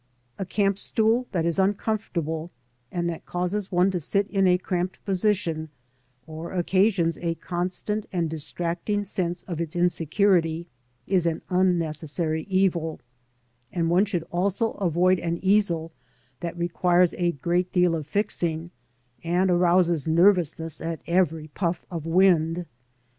A camp stool that is uncomfortable, and that causes one to sit in a cramped position, or occasions a constant and distracting sense of its insecurity, is an unnecessary evil ; and one should also avoid an easel that requires a great deal of fixing, and arouses nervous ness at every puff of wind.